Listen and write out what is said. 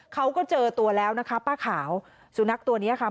เขาก็เจอตัวแล้วนะคะป้าขาวสุนัขตัวนี้ค่ะ